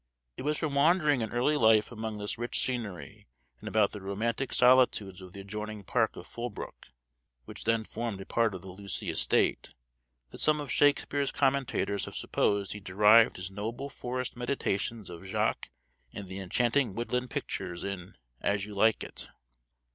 It was from wandering in early life among this rich scenery, and about the romantic solitudes of the adjoining park of Fullbroke, which then formed a part of the Lucy estate, that some of Shakepeare's commentators have supposed he derived his noble forest meditations of Jaques and the enchanting woodland pictures in "As You Like It."